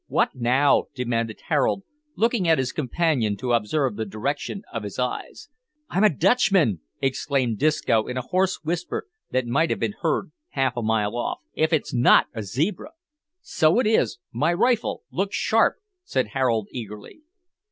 "What now?" demanded Harold, looking at his companion to observe the direction of his eyes. "I'm a Dutchman," exclaimed Disco in a hoarse whisper that might have been heard half a mile off, "if it's not a zebra!" "So it is; my rifle look sharp!" said Harold eagerly.